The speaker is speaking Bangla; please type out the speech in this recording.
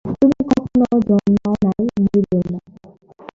তুমি কখনও জন্মাও নাই, মরিবেও না।